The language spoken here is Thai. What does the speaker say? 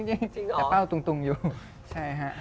แต่เป้าตุงอยู่ใช่ฮะ